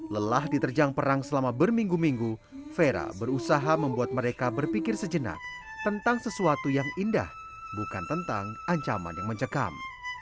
lelah diterjang perang selama berminggu minggu vera berusaha membuat mereka berpikir sejenak tentang sesuatu yang indah bukan tentang ancaman yang mencekam